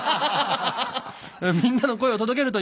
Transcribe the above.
みんなの声を届けるという。